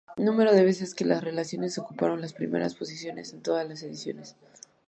Número de veces que las selecciones ocuparon las primeras posiciones en todas las ediciones.